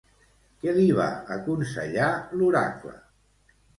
Què li va aconsellar l'oracle?